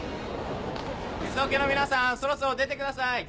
Ｓオケの皆さんそろそろ出てください！